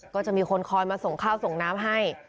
ก็จะมีคนคอยมาส่งข้าวส่งน้ำให้